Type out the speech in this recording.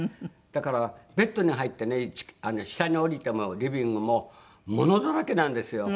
だからベッドに入ってね下に下りてもリビングも物だらけなんですよ。